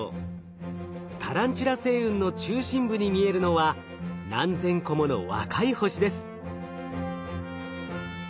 タランチュラ星雲の中心部に見えるのは何千個もの若い星です。